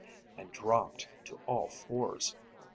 and dropped to all fours.